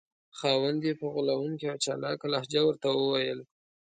خاوند یې په غولونکې او چالاکه لهجه ورته وویل.